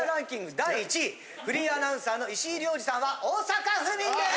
第１位フリーアナウンサーの石井亮次さんは大阪府民です。